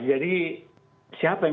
jadi siapa yang